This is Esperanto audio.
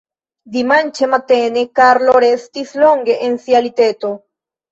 Dimanĉe matene Karlo restis longe en sia liteto.